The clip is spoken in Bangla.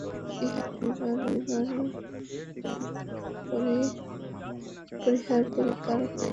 ইহা পরিহার করিবার উপায় নাই।